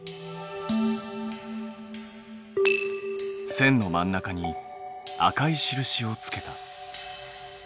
線の真ん中に赤い印をつけた。